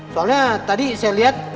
soalnya tadi saya lihat